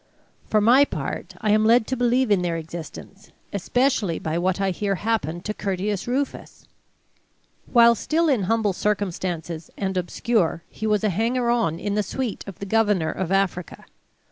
For my part, I am led to believe in their existence, especially by what I hear happened to Curtius Rufus. While still in humble circumstances and obscure, he was a hanger on in the suite of the Governor of Africa.